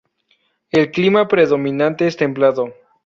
El clima predominante es templado.